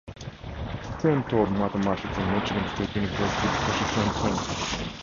Stern taught mathematics at Michigan State University before she turned twenty.